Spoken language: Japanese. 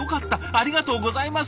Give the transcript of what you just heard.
ありがとうございます！